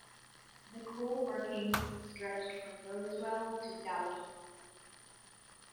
The coal workings stretched from Rosewell to Dalkeith.